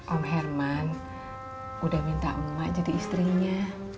om herman udah minta emak jadi istrinya